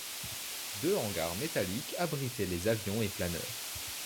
Deux hangars métalliques abritaient les avions et planeurs.